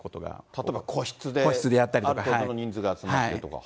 例えば個室である程度の人数が集まってとか。